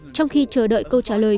trong khi chờ đợi câu trả lời